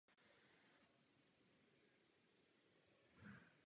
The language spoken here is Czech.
Všichni členové se později stali slavnými v různých skupinách.